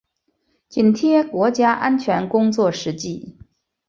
紧贴国家安全工作实际